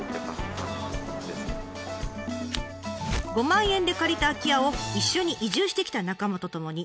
５万円で借りた空き家を一緒に移住してきた仲間とともにＤＩＹ。